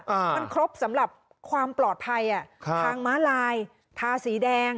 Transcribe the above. มันครบสำหรับความปลอดภัยอ่ะครับทางม้าลายทาสีแดง